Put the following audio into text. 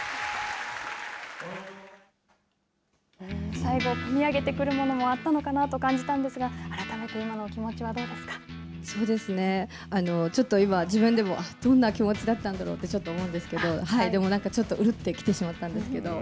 最後、込み上げてくるのもあったかなと感じたんですが、改めて、ちょっと今、自分でも、どんな気持ちだったんだろうって、ちょっと思うんですけど、でもなんかうるって来てしまったんですけど。